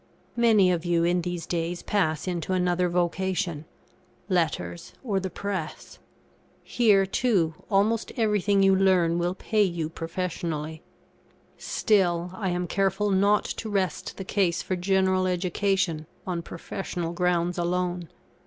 Many of you in these days pass into another vocation Letters, or the Press. Here too, almost everything you learn will pay you professionally. Still, I am careful not to rest the case for general education on professional grounds alone.